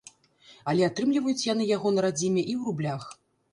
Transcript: Але атрымліваюць яны яго на радзіме і ў рублях.